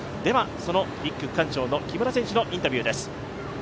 その１区区間賞の木村選手のインタビューです。